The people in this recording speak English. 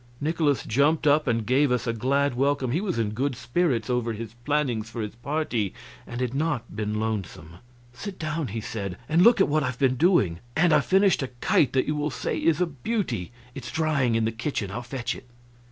Nikolaus jumped up and gave us a glad welcome. He was in good spirits over his plannings for his party and had not been lonesome. "Sit down," he said, "and look at what I've been doing. And I've finished a kite that you will say is a beauty. It's drying, in the kitchen; I'll fetch it."